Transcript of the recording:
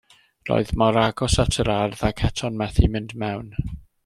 Roedd mor agos at yr ardd ac eto'n methu mynd mewn.